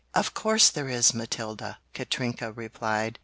"Of course there is, Matilda!" Katrinka replied.